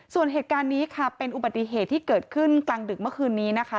ส่วนเหตุการณ์นี้ค่ะเป็นอุบัติเหตุที่เกิดขึ้นกลางดึกเมื่อคืนนี้นะคะ